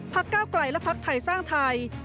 ก้าวไกลและพักไทยสร้างไทย